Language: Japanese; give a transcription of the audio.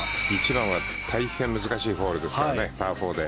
１番は大変難しいホールですよね、パー４で。